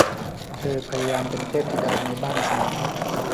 เธอพยายามเป็นเทพธิดาในบ้านเสมอ